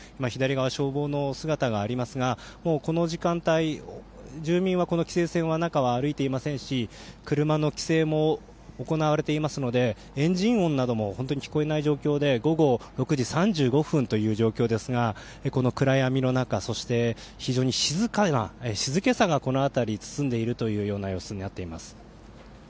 消防の姿がありましたがこの時間帯住民は、この規制線の中は歩いていませんし車の規制も行われていますのでエンジン音なども本当に聞こえない状況で午後６時３５分という状況ですが暗闇の中、非常に静けさがこの辺りを包んでいるというような様子になっています。